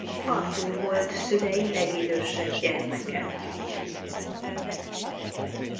Artúr volt szülei legidősebb gyermeke.